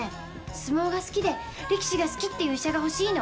相撲が好きで力士が好きっていう医者が欲しいの。